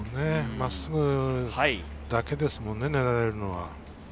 真っすぐだけですもんね、狙えるのは。